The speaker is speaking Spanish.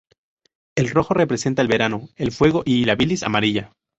El rojo representa el verano, el fuego y la bilis amarilla.